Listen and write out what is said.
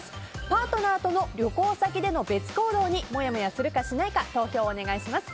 パートナーとの旅行先での別行動にもやもやするかしないか投票をお願いします。